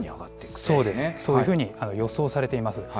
そういうふうに予想されています。